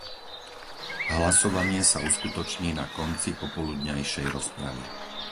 Hlasovanie sa uskutoční na konci popoludňajšej rozpravy.